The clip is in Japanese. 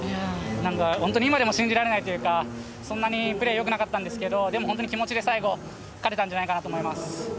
なんか本当に今でも信じられないというか、そんなにプレーよくなかったんですけど、でも本当に気持ちで最後、勝てたんじゃないかなと思います。